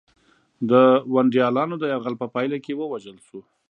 د ونډالیانو د یرغل په پایله کې ووژل شو.